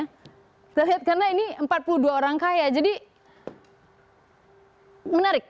kita lihat karena ini empat puluh dua orang kaya jadi menarik